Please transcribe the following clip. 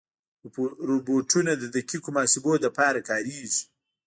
روبوټونه د دقیقو محاسبو لپاره کارېږي.